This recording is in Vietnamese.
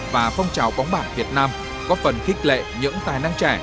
và phong trào bóng bản việt nam có phần khích lệ những tài năng trẻ